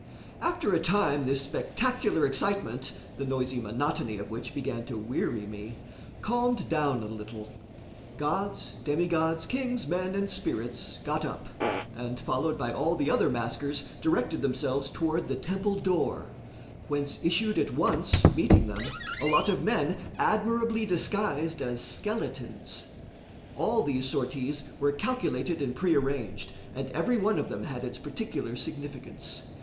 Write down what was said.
After a time this spectacular excitement the noisy monotony of which began to weary me calmed down a little; gods, demigods, kings, men and spirits got up, and followed by all the other maskers, directed themselves toward the temple door, whence issued at once, meeting them, a lot of men admirably disguised as skeletons. All those sorties were calculated and prearranged, and every one of them had its particular significance.